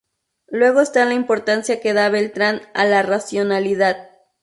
Luego está la importancia que da Beltrán a la racionalidad.